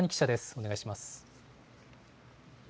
お願いします。